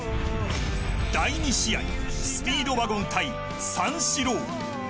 第２試合スピードワゴン対三四郎。